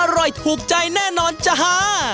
อร่อยถูกใจแน่นอนจ๊ะฮะ